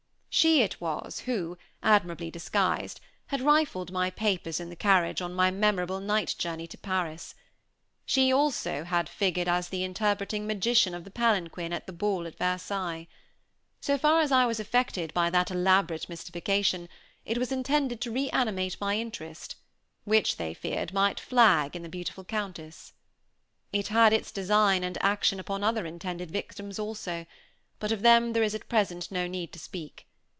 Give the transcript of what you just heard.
She it was who, admirably disguised, had rifled my papers in the carriage on my memorable night journey to Paris. She also had figured as the interpreting magician of the palanquin at the ball at Versailles. So far as I was affected by that elaborate mystification it was intended to re animate my interest, which, they feared, might flag in the beautiful Countess. It had its design and action upon other intended victims also; but of them there is, at present, no need to speak.